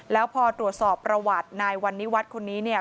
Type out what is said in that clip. แล้วพอตรวจสอบประวัตินายวันนิวัฒน์คนนี้เนี่ย